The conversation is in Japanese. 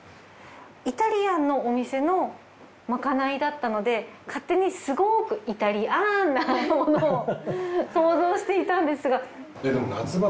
イタリアンのお店のまかないだったので勝手にすごくイタリアンなものを想像していたんですが。